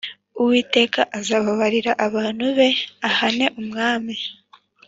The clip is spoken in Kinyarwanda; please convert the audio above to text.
Uwiteka azababarira abantu be ahane umwami.